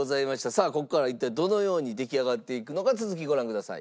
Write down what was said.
さあここから一体どのように出来上がっていくのか続きご覧ください。